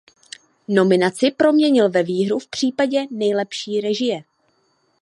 Nominaci proměnil ve výhru v případě nejlepší režie.